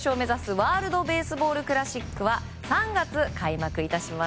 ワールド・ベースボール・クラシックは３月開幕いたします。